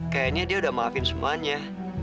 kayaknya dia udah maafin semuanya